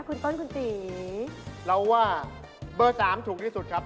คุณต้นคุณตีเราว่าเบอร์สามถูกที่สุดครับ